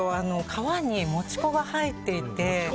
皮にもち粉が入っていて。